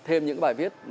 thêm những bài viết